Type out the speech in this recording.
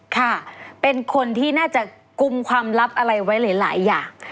ค่ะเป็นคนที่น่าจะกุมความลับอะไรไว้หลายอย่าง